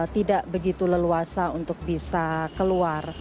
tidak begitu leluasa untuk bisa keluar